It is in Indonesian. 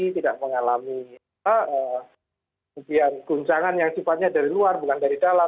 tidak mengalami kemudian guncangan yang tiba tiba dari luar bukan dari dalam